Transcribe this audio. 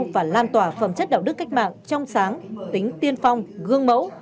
và lan tỏa phẩm chất đạo đức cách mạng trong sáng tính tiên phong gương mẫu